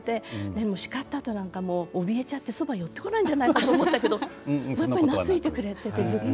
でも叱ったあとなんかおびえちゃってそば寄ってこないんじゃないかと思ったけどやっぱり懐いてくれててずっと。